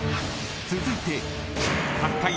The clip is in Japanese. ［続いて］